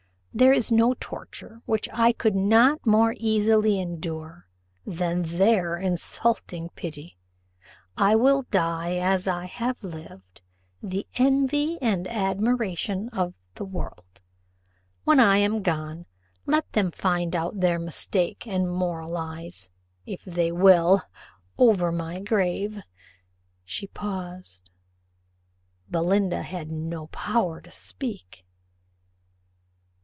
There is no torture which I could not more easily endure than their insulting pity. I will die, as I have lived, the envy and admiration of the world. When I am gone, let them find out their mistake; and moralize, if they will, over my grave." She paused. Belinda had no power to speak.